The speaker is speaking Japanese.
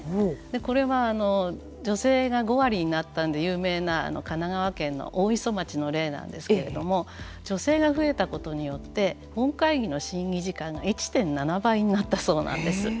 これは女性が５割になったんで有名な神奈川県の大磯町の例なんですけれども女性が増えたことによって本会議の審議時間が１．７倍になったそうなんです。